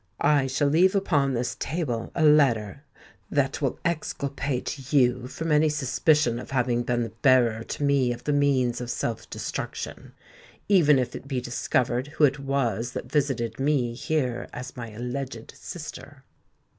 I shall leave upon this table a letter that will exculpate you from any suspicion of having been the bearer to me of the means of self destruction—even if it be discovered who it was that visited me here as my alleged sister."